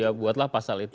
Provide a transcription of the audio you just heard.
ya buatlah pasal itu